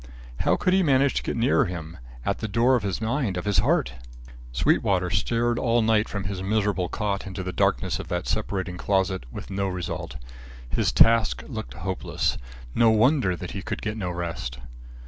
How should he manage to get nearer him at the door of his mind of his heart? Sweetwater stared all night from his miserable cot into the darkness of that separating closet, and with no result. His task looked hopeless; no wonder that he could get no rest.